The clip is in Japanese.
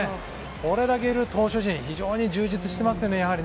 これだけいる投手陣、非常に充実してますね。